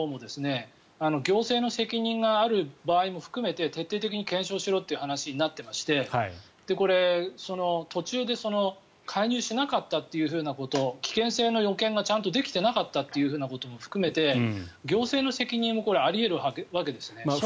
静岡県のほうも行政の責任がある場合も含めて徹底的に検証しろということになっていましてこれ、途中で介入しなかったということ危険性の予見がちゃんとできてなかったことも含めて行政の責任もあり得るわけですね。